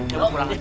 jangan lupa ya